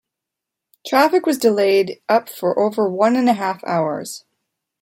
Traffic was delayed up for over one and a half hours.